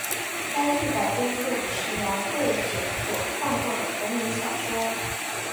该剧改编自五十岚贵久所创作的同名小说。